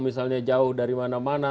misalnya jauh dari mana mana